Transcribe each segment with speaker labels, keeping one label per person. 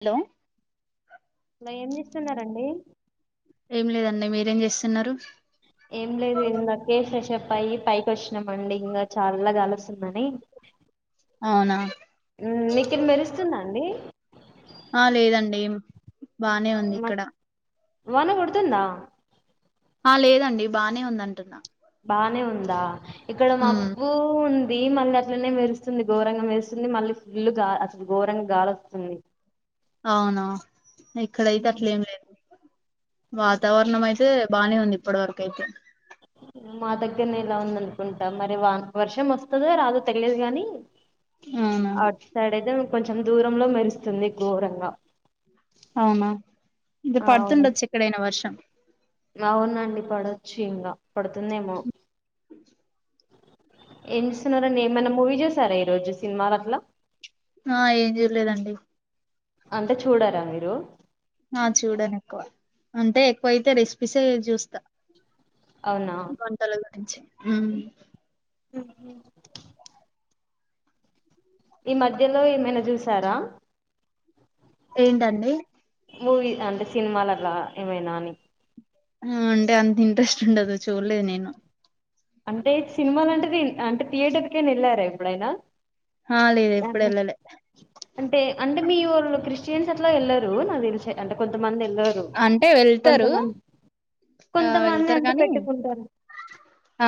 Speaker 1: Hello
Speaker 2: మై ఏం చేస్తున్నారండీ.
Speaker 1: ఏం లేదండి మీరేం చేస్తున్నారు.
Speaker 2: ఏం లేదు ఇందాకే ఫ్రెష్ప్పయి పైకి వచ్చినం అండి ఇంగా చల్లగాలొస్తుందని.
Speaker 1: అవునా
Speaker 2: మీకెన్ మెరుస్తుందా అండీ.
Speaker 1: ఆ లేదండీ, బానే ఉంది
Speaker 2: మా-
Speaker 1: ఇక్కడా.
Speaker 2: వాన కొడుతుందా.
Speaker 1: ఆ లేదండి బానే ఉందంటున్నా.
Speaker 2: బానే ఉందా. ఇక్కడ
Speaker 1: ఉమ్
Speaker 2: మబ్బూ ఉం దీ మళ్ళీ అట్లనే మెరుస్తుంది ఘోరంగ మెరుస్తుంది మళ్ళీ ఫుల్లూ గా అసలు ఘోరంగా గాలొస్తుంది.
Speaker 1: అవునా! ఇక్కడయితే అట్లేం లేదు. వాతావరణం అయితే బానే ఉంది ఇప్పటి వరకు అయితే.
Speaker 2: మా దగ్గరనే ఇలా ఉందనుకుంటా. మరి వాన్ వర్షం వస్తదో రాదో తెలియదు గానీ.
Speaker 1: అవునా
Speaker 2: అట్ సైడ్ అయితే కొంచెం దూరంలో మెరుస్తుంది ఘోరంగా.
Speaker 1: అవునా! ఇది
Speaker 2: అవునండి
Speaker 1: పడుతుండొచ్చు ఎక్కడైనా వర్షం.
Speaker 2: అవునండి పడొచ్చు ఇంగా, పడుతుందేమో. ఏం చేస్తున్నారండి, ఏమైనా మూవీ చూసారా ఈ రోజు సినిమాలు అట్లా.
Speaker 1: ఆ ఏం చూడలేదండి.
Speaker 2: అంటే చూడరా మీరు.
Speaker 1: ఆ చూడను ఎక్కువ, అంటే ఎక్కువయితే రెసిపీసే చూస్తా.
Speaker 2: అవునా!
Speaker 1: ఊ
Speaker 2: ఊహు ఈ మధ్యలో ఏమైనా చూసారా.
Speaker 1: ఏంటండీ
Speaker 2: మూవీ అంటే సినిమాలు అట్లా ఏమైనా అని.
Speaker 1: ఆ అంటే అంత ఇంట్రెస్ట్ ఉండదు చూడ్లేదు నేను.
Speaker 2: అంటే సినిమాలంటనే, అంటే థియేటర్ కైనా ఎళ్లారా ఎప్పుడైనా.
Speaker 1: హా లేదు ఎప్పుడు
Speaker 2: దాన్ని-
Speaker 1: ఎళ్ళలే.
Speaker 2: అంటే అంటే మీ ఓళ్ళు క్రిస్టియన్స్ అట్లా ఎళ్లరూ. నాక్ తెలుసే అంటే కొంతమంది పిలవరూ
Speaker 1: అంటే వెళ్తారు
Speaker 2: కొంతమంద్
Speaker 1: ఆ
Speaker 2: కొంతమంది
Speaker 1: వెళ్తారు
Speaker 2: అంటే
Speaker 1: కానీ
Speaker 2: పెట్టుకుంటారు.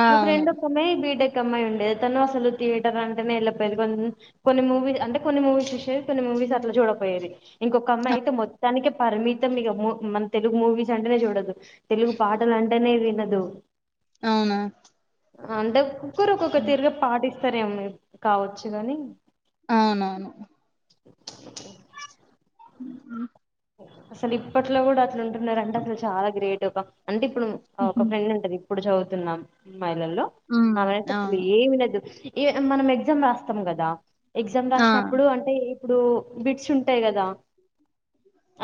Speaker 1: ఆ
Speaker 2: ప్చ్ మా
Speaker 1: అవును
Speaker 2: ఫ్రెండ్ ఒక్కమే బీటెక్ అమ్మాయి ఉండేది, తను అసలు థియేటర్ అంటేనే వెళ్ళిక్పోయేది. కొన్ కొన్ని మూవీ అంటే కొన్ని మూవీస్ చూశేది కొన్ని మూవీస్ అట్లా చూడకపోయేది. ఇంకొక్క అమ్మాయి
Speaker 1: అ
Speaker 2: అయితే మొత్తానికే పరిమితం ఇగ మూ మన తెలుగు మూవీస్ అంటేనే చూడదు. తెలుగు పాటలంటేనే వినదూ.
Speaker 1: అవునా
Speaker 2: అంటే ఒక్కొక్కరు
Speaker 1: హ్మ్.
Speaker 2: తీరుగా పాటిస్తారు ఏమో కావచ్చు గాని
Speaker 1: అవునవును ఉ హు
Speaker 2: అసలు ఇప్పట్లో కూడా అట్లు ఉంటున్నారంటే అసలు చాలా గ్రేట్ ఒక అంటే ఇప్పుడు ఒక
Speaker 1: హుహు.
Speaker 2: ఫ్రెండ్ ఉంటది ఇప్పుడు చదువుతున్నాం అమ్మాయిలలో
Speaker 1: హ్మ్
Speaker 2: ఆమె అసలు
Speaker 1: అవును
Speaker 2: ఏమీ లేదు మనం ఎగ్జామ్ రాస్తాం కదా ఎగ్జామ్
Speaker 1: ఆ
Speaker 2: రాసినప్పుడు అంటే ఇప్పుడు బిట్స్ ఉంటాయి కదా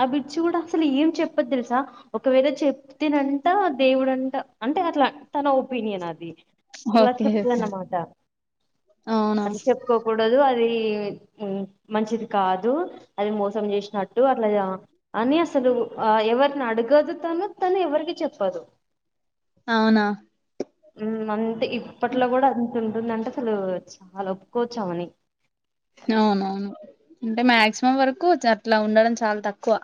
Speaker 2: ఆ బిట్స్ కూడా అసలు ఏం చెప్పర్ తెలుసా ఒకవేళ చెప్తే నంట దేవుడంటా అంటే అట్లా తన ఒపీనియన్ అది ఇలా
Speaker 1: ఓకే
Speaker 2: చెప్తుందన్నమాట
Speaker 1: అవునా
Speaker 2: అట్లా చెప్పుకోకూడదు అది ఆది మంచిది కాదు అది మోసం చేసినట్టు అలా అని అసలు ఆ ఎవరిని అడగదు తను తను ఎవరికి చెప్పదు
Speaker 1: అవునా
Speaker 2: ఉ అంతే ఇప్పట్లో కూడా అంత ఉంటుంది అంటే అసలు చాలా ఒప్పుకోవచ్చు ఆమెని
Speaker 1: అవునవును అంటే మాక్సిమం వరకు అట్లా ఉండడం చాలా తక్కువ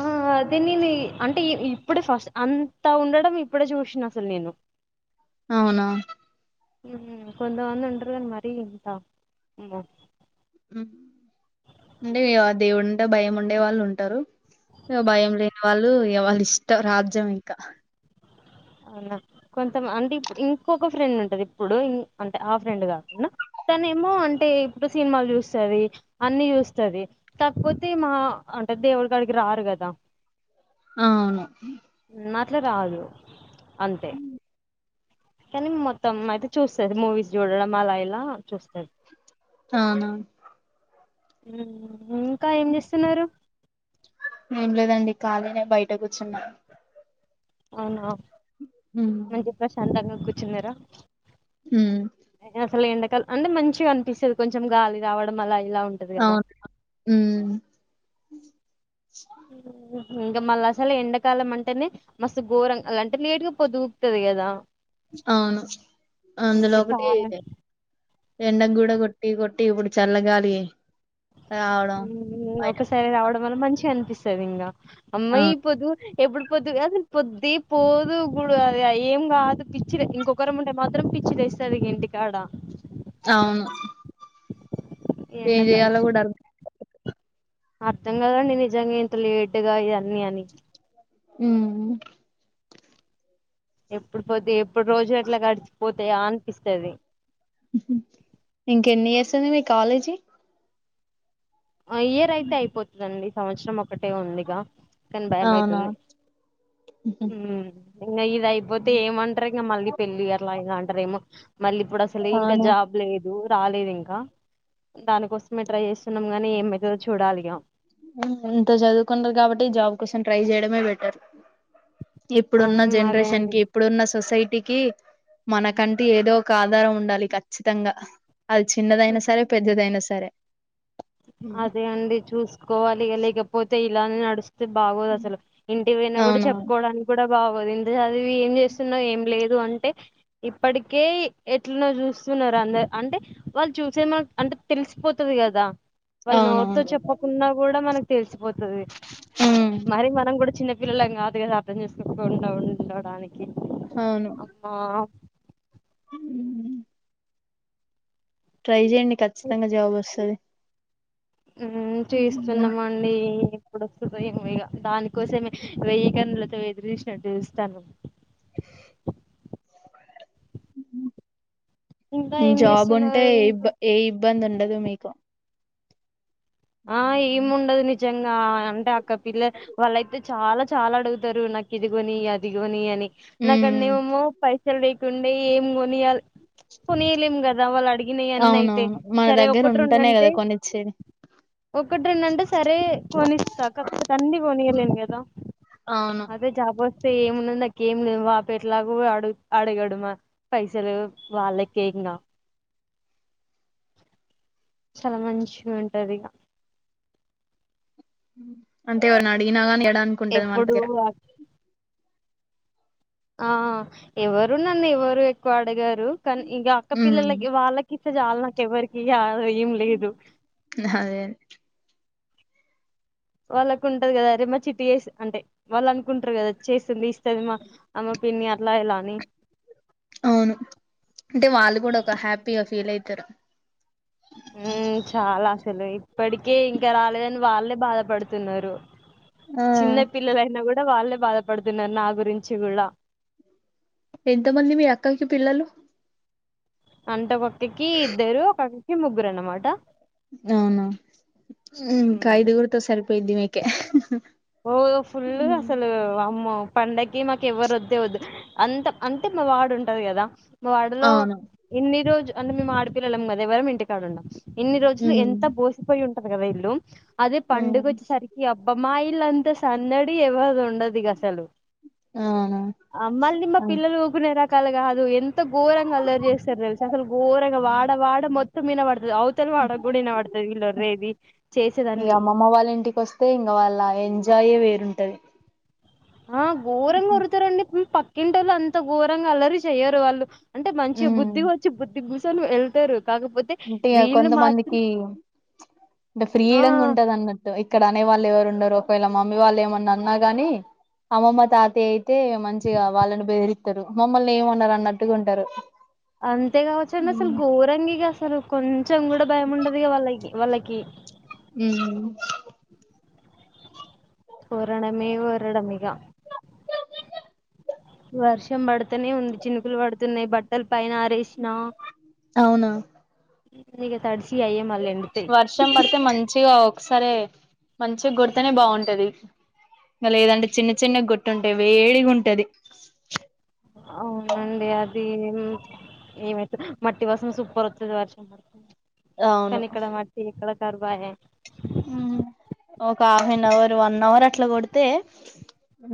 Speaker 2: ఆ అదే నేను అంటే ఇప్పుడే ఫస్ట్ అంతా ఉండడం ఇప్పుడే చూసిన అసలు నేను
Speaker 1: అవునా
Speaker 2: కొంతమంది ఉంటారు కానీ మరీ ఇట్లా అమ్మో
Speaker 1: అంటే ఆ దేవుడు అంటే భయం ఉండేవాళ్ళు ఉంటారు భయం లేని వాళ్ళు వాళ్ళ ఇష్టం రాజ్యం ఇంకా
Speaker 2: అవునా కొంత అంటే ఇంకొక ఫ్రెండ్ ఉంటది ఇప్పుడు అంటే ఆ ఫ్రెండ్ కాకుండా తనే ఏమో అంటే ఇప్పుడు సినిమాలు చూస్తది అన్ని చూస్తది కాకపోతే మా అంటే దేవుడు కాడికి రారు కదా
Speaker 1: అవును
Speaker 2: ఉమ్, అట్లా రాదు అంతే కానీ మొత్తం అయితే చూస్తది మూవీస్ చూడడం అలా ఇలా చూస్
Speaker 1: అవునా
Speaker 2: ఇంకా ఏం చేస్తున్నారు
Speaker 1: ఏం లేదండి ఖాళీనే బయట కూర్చున్నా
Speaker 2: అవునా
Speaker 1: హ్మ్
Speaker 2: మంచి ప్రశాంతంగా కూర్చున్నారా
Speaker 1: హ్మ్.
Speaker 2: అసలు ఎండకాలంఅంటే మంచిగా అనిపిస్తుంది కొంచెం గాలి రావడం అలా ఇలా ఉంటది కదా
Speaker 1: అవునా
Speaker 2: ఇంకా మళ్ళా అసలు ఎండాకాలం అంటేనే మస్తు ఘోరం అలాంటే లేటుగా పొదుగుకుతుంది కదా
Speaker 1: అవును అందులో
Speaker 2: ఉమ్,
Speaker 1: ఒకటి
Speaker 2: చాలా
Speaker 1: ఎండలు కూడా కొట్టి కొట్టి ఇప్పుడు చల్లగాలి రావడం బయట
Speaker 2: ఒకసారి రావడం వల్ల మంచిగా అనిపిస్తుంది ఇంకా అమ్మా
Speaker 1: ఆ
Speaker 2: ఇపోద్దు ఎప్పుడు పొద్దు అసలు పొద్దుది పోదు గుడు అది ఏం కాదు పిచ్చిది ఇంకొకరు ఉంటే మాత్రం పిచ్చిలేస్తుంది ఇంటికాడ
Speaker 1: అవును
Speaker 2: ఈ
Speaker 1: ఏం
Speaker 2: ఎండాకాలం
Speaker 1: చెయాలో కూడా
Speaker 2: అర్థం కదండి నిజంగా ఇంత లేటుగా ఇవన్నీ అని
Speaker 1: ఉ
Speaker 2: ఎప్పుడు పోతే ఎప్పుడు రోజు అట్లా గడిచిపోతాయా అనిపిస్తది
Speaker 1: ఇంక ఎన్ని ఇయర్స్ ఉంది నీ కాలేజీ
Speaker 2: ఇయర్ అయితే అయిపోతుందండి సంవత్సరం ఒకటే ఉందిగా కానీ భయం
Speaker 1: అవునా
Speaker 2: అయితుంది
Speaker 1: హుహు.
Speaker 2: ఉమ్ ఇంగ ఇది అయిపోతే ఏమంట్రింగా, మళ్ళీ పెళ్ళి అట్లా ఇగ అంట్ టారేమో మళ్ళీ ఇప్పుడు అసలే ఇంకా
Speaker 1: అవునా
Speaker 2: జాబ్ లేదు. రాలేదు ఇంకా, దానికోసమే ట్రై చేస్తున్నాం గానీ, ఏమయితదో చూడాలిగా.
Speaker 1: ఉమ్ ఇంత చదువుకున్రు గాబట్టి జాబ్ కోసం ట్రై చేయడమే బెటర్. ఇప్పుడున్న
Speaker 2: ఉమ్ అదే
Speaker 1: జనరేషన్
Speaker 2: అండి
Speaker 1: కి, ఇప్పుడున్న సొసైటీక్ కి మనకంటి ఏదో ఒక ఆధారం ఉండాలి ఖచ్చితంగా. అది చిన్నదైనా సరే, పెద్దదైనా సరే. హ్మ్.
Speaker 2: అదే అండి చూసుకోవాలిగా. లేకపోతే ఇలానే నడుస్ బాగోదు అసలు ఇంటిపోయినా గూడా
Speaker 1: అవునవును
Speaker 2: చెప్పుకోవడానికి గూడా. బాగోదు. ఇంతా చదివి ఏం చేస్తున్నావ్, ఏం లేదు అంటే. ఇప్పటికే ఎట్లనో చూస్ స్తున్నారు. అందర్ అంటే వాళ్ళు చూసే మనక్ అంటే తెలిసిపోతది గాదా. వాళ్ళు నోట్తో
Speaker 1: అవునవును
Speaker 2: చెప్పకున్నా గూడా మనకు తెలిసిపోతది.
Speaker 1: మ్మ్
Speaker 2: మరి మనం గూడా చిన్న పిల్లలం గాదు కదా. అర్థం చేసుకోకుండా ఉండడానికి. అమ్ ఆ
Speaker 1: ఉహ్ హు ట్రై చేయండి ఖచ్చితంగా జాబ్ వస్తది.
Speaker 2: ఉమ్ చేస్తున్నామండి. ఏప్పుడు వస్తదో ఏమో ఇగ, దానికోసమే వెయ్యి కన్నులతో ఎదురుచూసినట్టు చూస్తాన్నాం.
Speaker 1: ఉహ్
Speaker 2: ఇంకా
Speaker 1: హు
Speaker 2: ఏం
Speaker 1: జాబ్ ఉంటే
Speaker 2: చేస్తున్నారు
Speaker 1: ఏ ఇబ్
Speaker 2: ఇంకా
Speaker 1: ఏ ఇబ్బంది ఉండదు మీకు.
Speaker 2: ఆ ఎముండద్ ని జంగా అంటే అక్క పిల్ల వాళ్ళయితే చాలా చాలా అడుగుతారు. నాక్ ఇదిగొని అదిగోని అని నాక్కడనేమో పైసల్ లేకుండే, ఏం కొనియాల్ ప్చ్ కొనీయలేం గాదా. వాళ్ళు అడిగ్
Speaker 1: అవునవును
Speaker 2: గిన్ననాయితే.
Speaker 1: మన
Speaker 2: సరే
Speaker 1: దగ్గర
Speaker 2: ఒకట్రొండు
Speaker 1: ఉంటేనే
Speaker 2: అంటే
Speaker 1: కదా కొనిచ్చేది
Speaker 2: ఒకట్ రెండ్ అంటే సరే కొనిస్తా. కాకపోతే అన్ని గొనియలేన్ గాదా.
Speaker 1: అవును
Speaker 2: అదే జాబ్ వ స్తే ఏమున్నాద్ నాకేంలేద్ అప్పడేట్లాగో అడగాడు, మా పైసలు వాళ్ళకే. ఇగ చాలా మంచిగుంటదిగా.
Speaker 1: అంటే ఎవరైనా అడిగిన గాని, ఇయాడానీకుంటది
Speaker 2: ఎప్పుడు
Speaker 1: మన్దగ్గర.
Speaker 2: ఆ ఎవరునన్నేవరు ఎక్కువ అడగారు కాన్, ఇగా అక్కపిల్లలకి వాళ్ళకి. స్తే చాల్నాకేవరికియాల్లానీ
Speaker 1: అదే అదే
Speaker 2: వాళ్ళకుంటది గాదా, అరే మా చిట్టి చేస్ అంటే, వాళ్ళు అనుకుంట్రు గాదా చేస్తుంది. ఇస్తది మాక్ అమ్ పిన్ని, అట్లయిలానీ
Speaker 1: అవును అంటే. వాళ్ళు గూడా ఒక హ్యాపీగా ఫీల్ అయితారు.
Speaker 2: ఉమ్ చాలా అసలు ఇప్పడికి, ఇంకా రాలేదని వాళ్ళే బాధపడుతున్నారు. చిన్న పిల్లలైనా గూడా వాళ్ళే బాధపడుతున్నారు. నా గురించి గూడా.
Speaker 1: ఎంత మంది. మీ అక్కయ్కి పిల్లలు?
Speaker 2: అంటే ఒకక్కకి ఇద్దరు, ఒకొక్కకి ముగ్గురు అనమాట.
Speaker 1: అవునా ఉమ్
Speaker 2: మ్మ్
Speaker 1: ఖైదుగుర్తో సరిపోయిదిమీకె
Speaker 2: ఒకరోజ్ ఫుల్ అసలు వామ్మో పండగ్కి మాకు ఎవ్వరు వద్దే వద్దు. అంత అంతే మా వాడుంటది గదా. మా వాడలో
Speaker 1: అవును
Speaker 2: ఇన్ని రోజు అంటే మేము ఆడపిల్లలం గదా. ఎవరం ఇంటికాడుండం. ఎన్ని రోజులు ఎంత బోసిపోయి ఉంటాద్గదా ఇల్లు, అదే పండుగోచ్చేసరికి అబ్బ మా ఇల్ ఇలంతా సందడి, ఎవ్వరూండదిగాసలు.
Speaker 1: అవునా
Speaker 2: అమ్మల్ని మా పిల్లలు ఊకునే రకాలుగాదు, ఎంత గోరంగా అల్లరి చేస్తారు. తెలుసా అసలు గోరంగా వాడ్ డ మొత్తం వినవాడుత్ అవతల్ వాడగూడినపడ్తది. వీల్లోర్రేది చేసేదాన్ని
Speaker 1: ఎంజాయ్యే వేరుంటది.
Speaker 2: ఆ ఘోరంగా కురుతారండి పక్కింటి వాళ్ళు అంత ఘోరంగా అలరి చెయ్యరు వాళ్ళు అంటే మంచి బుద్ధి వచ్చి బుద్ధికి కూర్ొని వెళ్తారు కాకపోతే
Speaker 1: అంటే
Speaker 2: వీళ్ళు మాత్రం
Speaker 1: కొంతమందికి అంటే
Speaker 2: ఆ
Speaker 1: ఫ్రీడ ఉంటది అన్నట్టు ఇక్కడ అనే వాళ్ళు ఎవరు ఉండరు ఒకవేళ మమ్మీ వాళ్ళు ఏమన్నా అన్నా గాని అమ్మమ్మ తాత అయితే మంచిగా వాళ్ళని బెదిరి మమ్మల్ని ఏమన్నారు అన్నట్టుగా ఉంటారు
Speaker 2: అంతే కావచ్చుండి అసలు ఘోరంగిగా అసలు కొంచెం కూడా భయం ఉండదు వాళ్ళకి వాళ్ళకి
Speaker 1: ఉ
Speaker 2: ఉరణమే వడమిగా వర్షం పడుతనే ఉంది చినుకులు పడుతున్నాయి బట్టల పైన ఆరేసి
Speaker 1: అవునా
Speaker 2: క తాడు [unintelligible]
Speaker 1: వర్షం పడితే మంచిగా అ సరే మంచిగా కొతనే బాగుంటది లేదంటే చిన్న చిన్న గుట్టు ఉంటాయి వేడిగా ఉంటది
Speaker 2: అవునండి అది ఏమైతు మ ప్రతివాసం సూపర్ వతుది వర్షం కానీ
Speaker 1: అవును
Speaker 2: ఇక్కడ మట్టి ఇక్కడ కర్బాయ
Speaker 1: ఉ ఒక half an hour one hour అట్లా కొడితే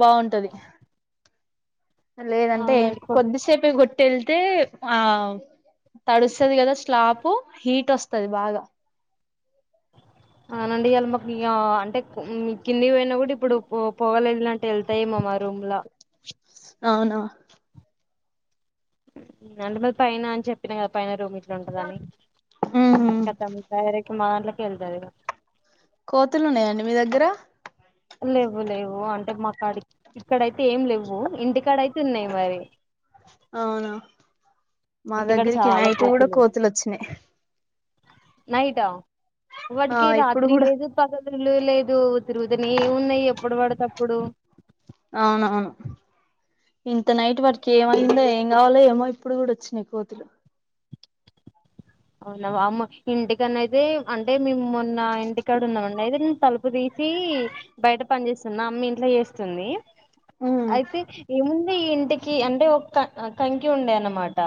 Speaker 1: బాగుంటది లేదంటే
Speaker 2: అవునండి కొ
Speaker 1: కొద్దిసేపే గుట్టెళ్తే ఆ తడుస్తుది కదా స్లాప్ హీట్ వస్తుది బాగా
Speaker 2: అవునండి ఇవాళ మాకు ఇ అంటే కింది పోయినా కూడా ఇప్పుడు పో పోగలేదు ఇలాంటి వెళ్తాయే మామా రూమ్ లా
Speaker 1: అవునా
Speaker 2: అంట మరి పైన అని చెప్పిన కదా పైన కిలోమీటర్లు ఉంటదని త తైరకి మా దాంలోకి వెళ్తారు
Speaker 1: కోతులు ఉన్నాయండి మీ దగ్గర
Speaker 2: లేవు లేవు అంటే మా కాడ ఇక్కడయితే ఏం లేవు ఇంటికాడ అయితే చిన్న మరి
Speaker 1: అవునా మా
Speaker 2: ఇంటికాడ
Speaker 1: దగ్గరికి
Speaker 2: చాలా
Speaker 1: నైట్ కూడా కోతులు వచ్చినాయి
Speaker 2: నైటా
Speaker 1: ఆ
Speaker 2: వాటికి
Speaker 1: ఇప్పుడు
Speaker 2: రాత్రి
Speaker 1: కూడా
Speaker 2: లేదు పగలు లేదు తిరుగుదని ఏ ఉన్నాయి ఎప్పుడు పడతప్పుడు
Speaker 1: అవునవును ఇంత నైట్ వర్క్ ఏమైందో ఏం కావాలో ఏమై ఇప్పుడు కూడా వచ్చినాయి కోతులు
Speaker 2: అవునా అమ్మ ఇంటికన్నాైతే అంటే మమ్ నా ఇంటికాడ ఉన్నామండి అయితే తలుపు తీసి బయట పని చేే అమ్మ ఇంట్లో చేస్తుంది
Speaker 1: ఉమ్
Speaker 2: అయితే ఏముంది ఈ ఇంటికి అంటే ఒ కంకి ఉండే అన్నమాట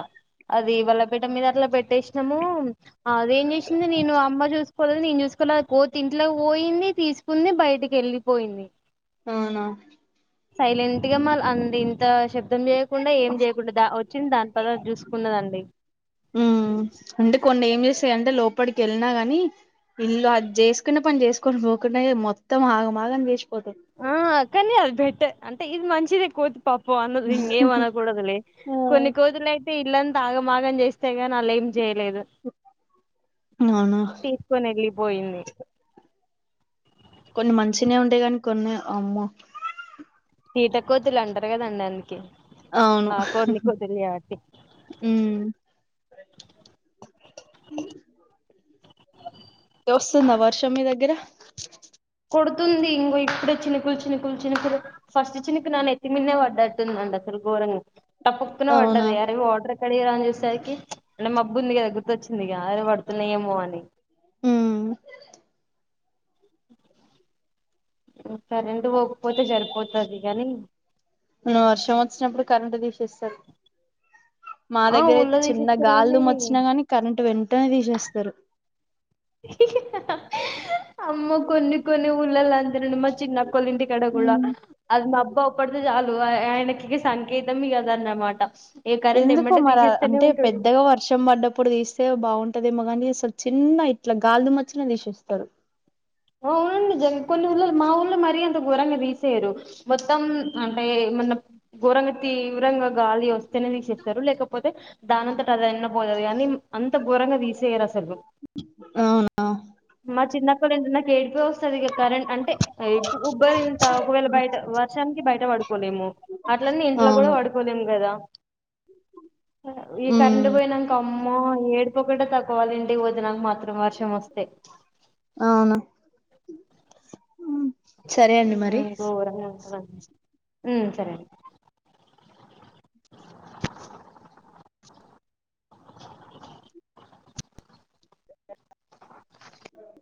Speaker 2: అది బల్లపేట మీద అట్ల పెట్టేసి మూ అదేం చేసింది నేను అమ్మ చూసుకో నేను చూసుకున్న కోతి ఇంట్లో పోయింది తీసుకుంది బయటికి వెళ్ళిపోయింది
Speaker 1: అవునా
Speaker 2: సైలెంట్ గా మ అంది ఇంత శబ్దం చేయకుండా ఏం చేయకుండా ద వచ్చింది దాని పని అది చూసుకున్నదండి
Speaker 1: ఉమ్ అంటే కొన్ని ఏం చేస్తాయింటే లోపలికి వెళ్ళినా గాని ఇల్లు అది చేసుకునే పని చేసుకొని పోకుండా మొత్తం ఆగమాగం చేసిపోతుంది
Speaker 2: కాని అది బెట్టర్ అంటే ఇది మంచిదే కోది ప [unintelligible] పో అన్నది ఇంకేం అనకూడదులే కొన్ని కోతులు అయితే ఇల్లంతా ఆగమాగం చేస్తే గానీ ఆళ్లం చేయలేదు
Speaker 1: అవునా
Speaker 2: తీసుకొని వెళ్ళిపోయింది
Speaker 1: కొన్ని మంచినే ఉంటాయి కాని కొన్నే అమ్మో
Speaker 2: కీట కోతులు అంటారు కదండి అందుకే
Speaker 1: అవును
Speaker 2: ఆ కొన్ని కోతులు కాబట్టి
Speaker 1: హమ్ వస్తుందా వర్షం మీ దగ్గర
Speaker 2: కొడుతుంది ఇంకో ఇప్పుడు చినుకులు చినుకులు చినుకులు ఫస్ట్ చినుకు నా నెత్తిమినే పడ్డట్టుదండి అసలు గోరని తప్పుకున
Speaker 1: అవునా
Speaker 2: వడ్డది అదిగో వాటర్ వ ఎక్కడ రాని చేసరికి అంటే మబ్బు ఉంది కదా గుర్తొచ్చింది ఇగ అదే పడుతుంది ఏమో అని
Speaker 1: హమ్
Speaker 2: సరేండి పోకపోతే సరిపోతుంది కానీ
Speaker 1: ను వర్షం వచ్చినప్పుడు కరెంటు తీసేస్తారు మా
Speaker 2: ఆ
Speaker 1: దగ్గర అయితే
Speaker 2: ఊళ్ళో
Speaker 1: చిన్న
Speaker 2: తీసేస్తారు
Speaker 1: గాలి
Speaker 2: కానీ
Speaker 1: దుము వచ్చినా గాని కరెంటు వెంటనే తీసేస్తారు
Speaker 2: అమ్మ కొన్ని కొన్ని ఊళ్ళల్లో అంతే అండి మా చిన్న వొల్లింటి కాడ కూడా
Speaker 1: ఉమ్
Speaker 2: అది మా బాగుపడితే చాలు ఆయనకికి సంకేతం ఇది అన్నమాట
Speaker 1: ఎందుకు మరి అంటే పెద్దగా వర్షం పడ్డప్పుడు తీస్తే బాగుంటు ఇదేమగానీ అసలు చిన్న ఇట్ల గాల్దు మచ్చిన తీసేస్తారు
Speaker 2: అ అవునండి జ కొన్ని ఊళ్ళలు మా ఊళ్ళ మరీ అంత ఘోరంగా తీసేయరు మొత్తం అంటే మొన్న ఘోరంగా తీవ్రంగా గాలి వస్తేనే తీసేస్తారు లేకపోతే దానింతట అదన్న పో గానీ అంత ఘోరంగా తీసేయరూ అసలు
Speaker 1: అవునా
Speaker 2: మా చిన్నప్పుడు [unintelligible] ఏడుపే వస్తాది ఇక కరెంట్ అంటే ఎ ఉబ్బరి ఇంత ఒకవేళ బయట వర్షానికి బయట పడుకోలేము అట్లన్నీ ఇంట్లో కూడా
Speaker 1: అవును
Speaker 2: పడుకోలేం కదా ఈ కరెంటు
Speaker 1: ఉమ్
Speaker 2: పోయినాక అమ్మో ఏడుపు ఒక్కటే తక్కువ వాళ్ల ఇంటికి పోతే నాకూ మాత్రం వర్షం వస్తే
Speaker 1: ఉ
Speaker 2: హమ్ ఘోరంగా ఉంటాది అది హమ్ సరే [unintelligible] [unintelligible]